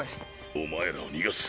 お前らを逃がす。